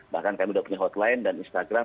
bahkan kami sudah punya hotline dan instagram